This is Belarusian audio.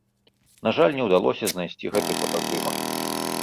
На жаль, не ўдалося знайсці гэты фотаздымак.